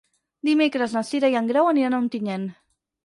Dimecres na Cira i en Grau aniran a Ontinyent.